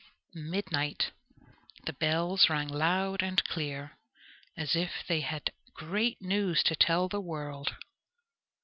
Midnight! The bells rang loud and clear, as if they had great news to tell the world.